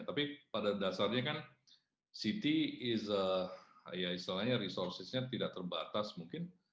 tapi pada dasarnya kan city is a ya istilahnya resourcesnya tidak terbatas mungkin